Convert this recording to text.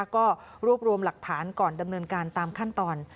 ก็รวบรวมหลักฐานก่อนดำเนินการตามขั้นตอน